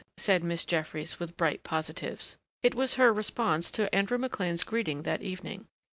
said Miss Jeffries with bright positives. It was her response to Andrew McLean's greeting that evening.